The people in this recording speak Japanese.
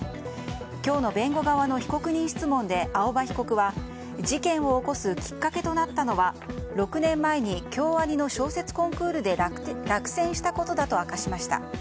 今日の弁護側の被告人質問で青葉被告は事件を起こすきっかけとなったのは６年前に京アニの小説コンクールで落選したことだと明かしました。